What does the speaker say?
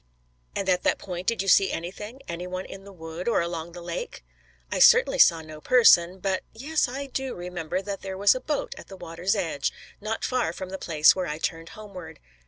"And at that point did you see anything, any one in the wood, or along the lake?" "I certainly saw no person. But yes, I do remember that there was a boat at the water's edge, not far from the place where I turned homeward.